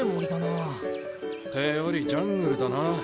ってよりジャングルだな。